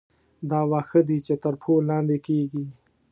دا واښه دي چې تر پښو لاندې کېږي.